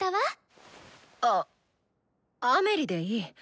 あっアメリでいい。